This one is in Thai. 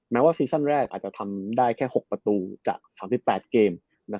ว่าซีซั่นแรกอาจจะทำได้แค่๖ประตูจาก๓๘เกม